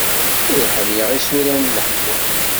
Ur ḥemmleɣ isura n leḥzen.